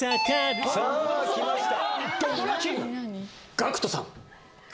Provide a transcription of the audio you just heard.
ＧＡＣＫＴさん！